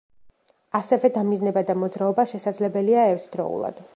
ასევე დამიზნება და მოძრაობა შესაძლებელია ერთდროულად.